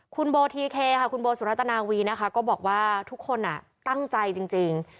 คุณโบ้เท้าขณะที่สุรัตนาวีนะคะก็บอกว่าทุกคนตั้งใจจริง